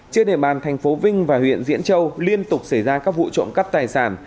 trên đề bàn tp vinh và huyện diễn châu liên tục xảy ra các vụ trộm cắp tài sản